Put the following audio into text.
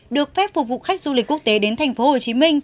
được phép phục vụ khách du lịch quốc tế đến tp hcm